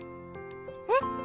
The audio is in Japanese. えっ？